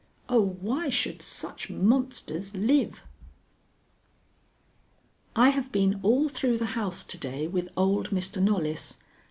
Oh, why should such monsters live! I have been all through the house to day with old Mr. Knollys.